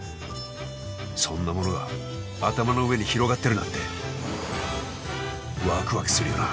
そんなものが頭の上に広がってるなんてわくわくするよなあ？